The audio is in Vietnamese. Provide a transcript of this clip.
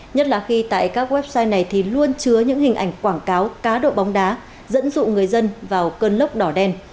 nhất là khi tại các website này thì luôn chứa những hình ảnh quảng cáo cá độ bóng đá dẫn dụ người dân vào cơn lốc đỏ đen